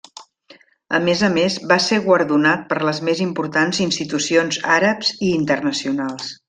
A més a més, va ser guardonat per les més importants institucions àrabs i internacionals.